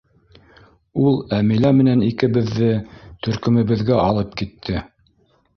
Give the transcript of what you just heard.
Ул Әмилә менән икебеҙҙе төркөмөбөҙгә алып китте.